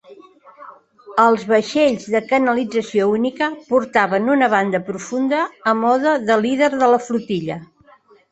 Els vaixells de canalització única portaven una banda profunda a mode de líder de la flotilla.